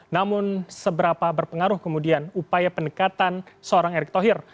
namun seberapa berpengaruh kemudian upaya pendekatan seorang erick thohir